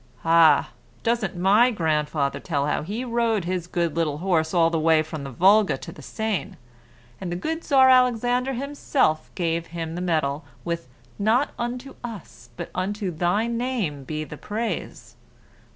Ah! doesn't my grandfather tell how he rode his good little horse all the way from the Volga to the Seine, and the good Czar Alexander himself gave him the medal with 'Not unto us, but unto Thy Name be the praise'?